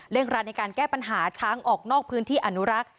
ร้านในการแก้ปัญหาช้างออกนอกพื้นที่อนุรักษ์